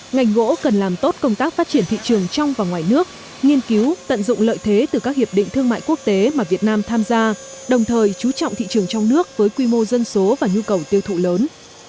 ngành gỗ cần làm tốt công tác phát triển thị trường trong và ngoài nước nghiên cứu tận dụng lợi thế từ các hiệp định thương mại quốc tế mà việt nam tham gia đồng thời chú trọng thị trường trong nước với quy mô dân số và nhu cầu tiêu thụ lớn